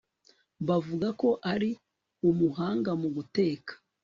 bavuga ko ari umuhanga mu guteka